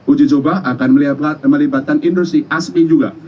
uji coba akan melibatkan industri asing juga